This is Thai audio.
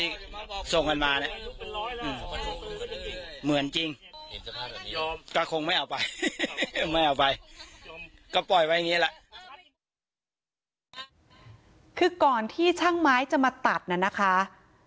คือก่อนที่ช่างไม้จะมาตัดน่ะนะคะ